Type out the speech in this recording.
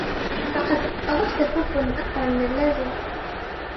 لقد أضفت فلفلاً أكثر من اللازم.